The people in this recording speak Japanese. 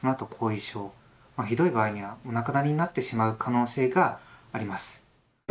ひどい場合にはお亡くなりになってしまう可能性があります。